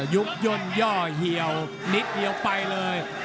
ยุบย่นย่อเหี่ยวนิดเดียวไปเลย